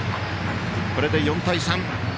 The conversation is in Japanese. これで４対３。